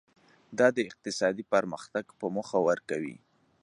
دا د اقتصادي پرمختګ په موخه ورکوي.